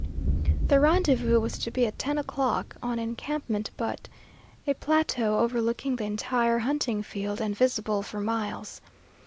The rendezvous was to be at ten o'clock on Encampment Butte, a plateau overlooking the entire hunting field and visible for miles.